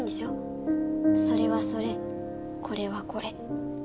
それはそれこれはこれ。